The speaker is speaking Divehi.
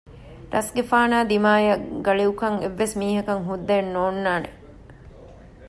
ރަސްގެފާނާ ދިމާއަށް ގަޅިއުކަން އެއްވެސް މީހަކަށް ހުއްދައެއް ނޯންނާނެ